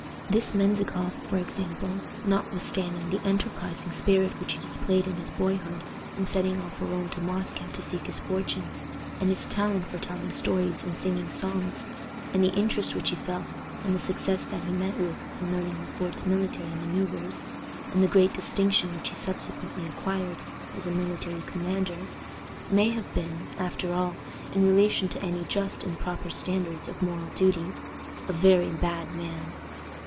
This Menzikoff, for example, notwithstanding the enterprising spirit which he displayed in his boyhood, in setting off alone to Moscow to seek his fortune, and his talent for telling stories and singing songs, and the interest which he felt, and the success that he met with, in learning Le Fort's military manoeuvres, and the great distinction which he subsequently acquired as a military commander, may have been, after all, in relation to any just and proper standards of moral duty, a very bad man.